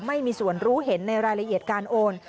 ไม่มีส่วนรู้เห็นในรายละเอียดการโอน